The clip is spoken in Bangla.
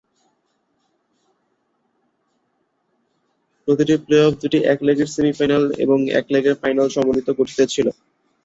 প্রতিটি প্লে-অফ পথ দুটি এক লেগের সেমি-ফাইনাল এবং এক লেগের ফাইনাল সমন্বিত গঠিত ছিল।